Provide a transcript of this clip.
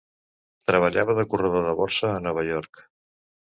Treballava de corredor de borsa a Nova York.